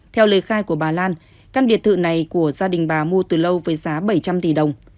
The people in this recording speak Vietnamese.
theo lời khai của bà lan căn biệt thự này của gia đình bà mua từ lâu với giá bảy trăm linh tỷ đồng